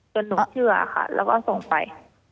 หนูเชื่อค่ะแล้วก็ส่งไป